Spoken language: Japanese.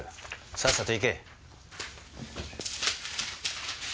さっさと行け。